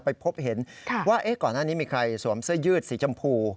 ไปพบเห็นว่าก่อนหน้านี้มีใครสวมเสื้อยืดสีชมพู